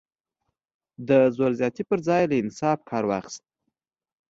د زور زیاتي پر ځای یې له انصاف کار واخیست.